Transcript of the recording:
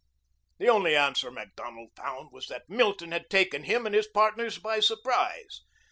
The only answer Macdonald found was that Milton had taken him and his partners by surprise.